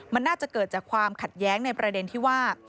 มันน่าจะเกิดจากความขัดแย้งในประเด็นที่ว่า